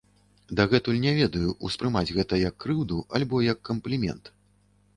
Дагэтуль не ведаю, успрымаць гэта як крыўду альбо як камплімент.